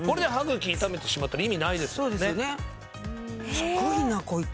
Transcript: すごいなこいつ。